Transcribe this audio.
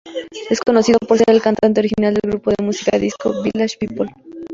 Es conocido por ser el cantante original del grupo de música disco Village People.